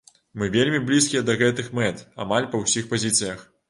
Мы вельмі блізкія да гэтых мэт, амаль па ўсіх пазіцыях.